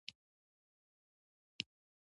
قومونه د افغان تاریخ په کتابونو کې ذکر شوی دي.